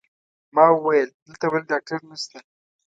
ما وویل: دلته بل ډاکټر نشته؟